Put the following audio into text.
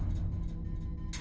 padahal tadi kan enggak